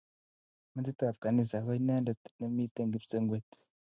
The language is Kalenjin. Metibab kanisa ko inendet ne mitei kipswenget